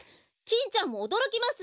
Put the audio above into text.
キンちゃんもおどろきます！